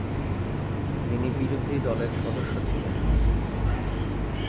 তিনি বিরোধী দলের সদস্য ছিলেন।